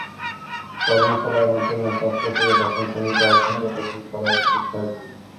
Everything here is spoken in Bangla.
কর্মশালায় অংশ নেয় ষষ্ঠ থেকে দশম শ্রেণীতে অধ্যয়নরত দুই শতাধিক শিক্ষার্থী।